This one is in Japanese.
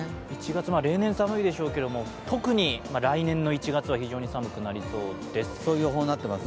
１月、例年寒いでしょうけど特に来年１月は非常に寒くなりそうです。